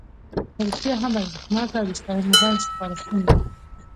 په رښتیا هم ارزښتناکه او د ستاینې وړ سپارښتنې دي.